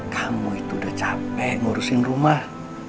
kamu itu udah capek ngurusin rumah